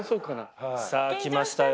さぁきましたよ。